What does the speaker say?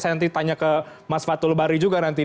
saya nanti tanya ke mas fathul bari juga nanti